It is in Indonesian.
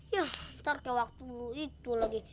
yah ntar kayak waktu itu lagi